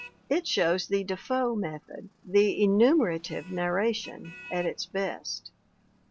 It shows the Defoe method, the enumerative narration, at its best.